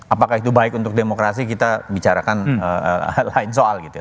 apakah itu baik untuk demokrasi kita bicarakan lain soal gitu ya